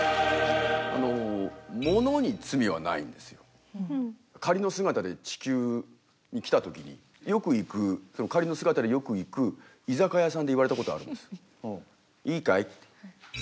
あの仮の姿で地球に来た時によく行く仮の姿でよく行く居酒屋さんで言われたことあるんです。